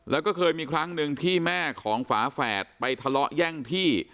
แล้วก็เคยมีครั้งหนึ่งที่แม่ของฝาแฝดไปทะเลาะแย่งที่